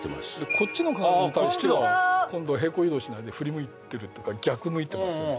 こっちの鏡に対しては今度は平行移動しないで振り向いてるっていうか逆向いてますよね